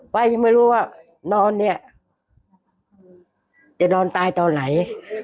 ยังไม่รู้ว่านอนเนี่ยจะนอนตายตอนไหน